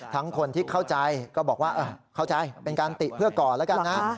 คนที่เข้าใจก็บอกว่าเข้าใจเป็นการติเพื่อก่อนแล้วกันนะ